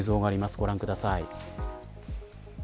ご覧ください。